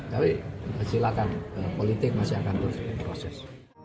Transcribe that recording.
tapi silakan politik masih akan terus diproses